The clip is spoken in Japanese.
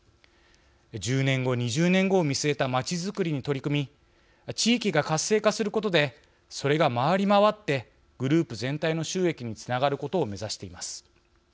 １０年後、２０年後を見据えたまちづくりに取り組み地域が活性化することでそれが回り回ってグループ全体の収益につながることを目指しています。